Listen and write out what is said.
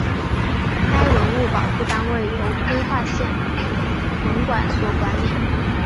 该文物保护单位由通化县文管所管理。